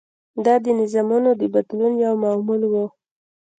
دا د نظامونو د بدلون یو معمول و.